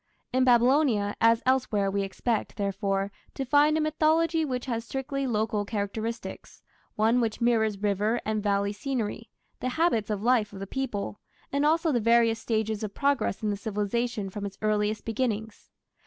In Babylonia, as elsewhere, we expect, therefore, to find a mythology which has strictly local characteristics one which mirrors river and valley scenery, the habits of life of the people, and also the various stages of progress in the civilization from its earliest beginnings.